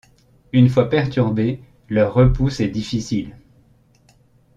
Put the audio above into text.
Une fois perturbées, leur repousse est difficile.